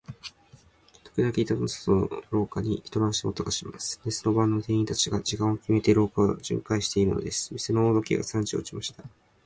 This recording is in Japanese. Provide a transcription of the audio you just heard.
ときどき、板戸の外の廊下に、人の足音がします。寝ずの番の店員たちが、時間をきめて、家中を巡回じゅんかいしているのです。店の大時計が三時を打ちました。